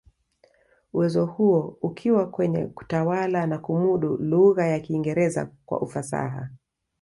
Uwezo huo ukiwa kwenye kutawala na kumudu lugha ya Kiingereza kwa ufasaha